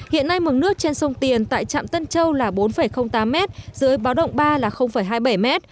hiện nay mực nước trên sông tiền tại trạm tân châu là bốn tám m dưới báo động ba là hai mươi bảy m